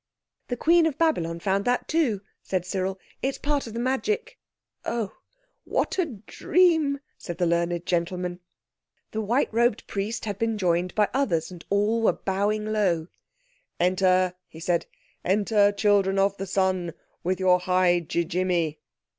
"The Queen of Babylon found that too," said Cyril; "it's part of the magic." "Oh, what a dream!" said the learned gentleman. The white robed priest had been joined by others, and all were bowing low. "Enter," he said, "enter, Children of the Sun, with your High Ji jimmy."